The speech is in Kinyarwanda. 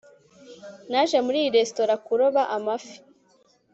naje muri iyi resitora kuroba amafi